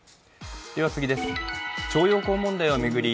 徴用工問題を巡り